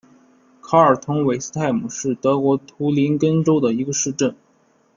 卡尔滕韦斯泰姆是德国图林根州的一个市镇。